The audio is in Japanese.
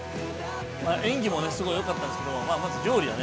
◆演技もねすごいよかったんですけどまず料理やね。